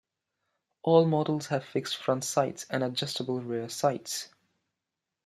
All models have fixed front sights and adjustable rear sights.